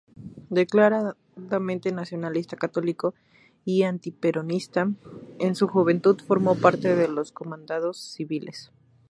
Declaradamente nacionalista católico y antiperonista, en su juventud formó parte de los comandos civiles.